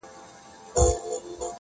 • درومم چي له ښاره روانـــــېـــږمــــه.